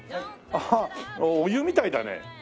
ああお湯みたいだね。